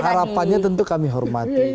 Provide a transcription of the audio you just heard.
harapannya tentu kami hormati